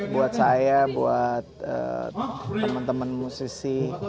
buat saya buat teman teman musisi